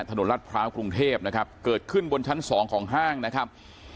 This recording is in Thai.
รัฐพร้าวกรุงเทพนะครับเกิดขึ้นบนชั้นสองของห้างนะครับ